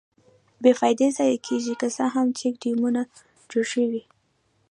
بې فایدې ضایع کېږي، که څه هم چیک ډیمونه جوړ شویدي.